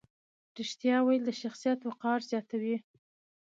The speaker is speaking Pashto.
رښتیا ویل د شخصیت وقار زیاتوي.